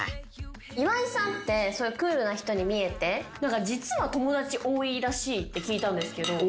岩井さんってクールな人に見えて実は友達多いらしいって聞いたんですけど。